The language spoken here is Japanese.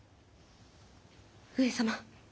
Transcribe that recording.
上様。